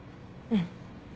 うん。